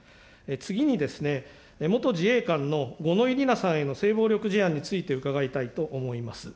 次にですね、元自衛官の五ノ井里奈さんへの性暴力事案について伺いたいと思います。